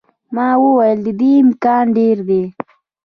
ما وویل، د دې امکان ډېر دی.